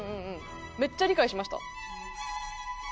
めっちゃ理解しました。